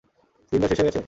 Cylinder শেষ হয়ে গেছে?